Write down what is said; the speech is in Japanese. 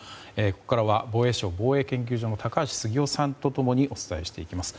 ここからは防衛省防衛研究所の高橋杉雄さんと共にお伝えしていきます。